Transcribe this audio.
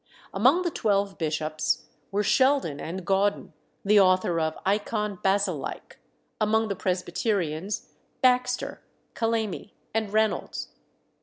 Among the twelve bishops were Sheldon and Gauden, the author of Ikon Basilike: among the Presbyterians Baxter, Calamy, and Reynolds.